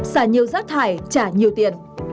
xả nhiều rác thải trả nhiều tiền